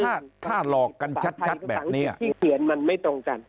ถ้าถ้าหลอกกันชัดแบบนี้ที่เขียนมันไม่ตรงกัน